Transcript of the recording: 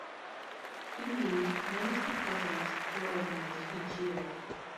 Indeed, many school projects are organized each year.